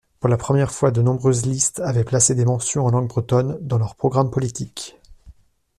Pour la première fois, de nombreuses listes avaient placé des mentions en langue bretonne dans leurs programmes politiques.